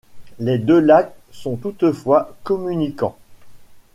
Les deux lacs sont toutefois communicants.